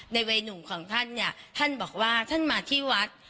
ในเวหนุ่มของท่านเนี่ยท่านบอกว่าท่านมาที่วัด